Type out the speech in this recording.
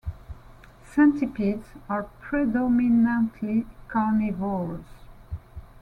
Centipedes are predominantly carnivorous.